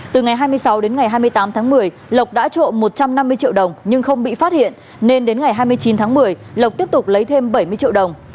từ ngày hai mươi sáu đến ngày hai mươi tám tháng một mươi lộc đã trộm một trăm năm mươi triệu đồng nhưng không bị phát hiện nên đến ngày hai mươi chín tháng một mươi lộc tiếp tục lấy thêm bảy mươi triệu đồng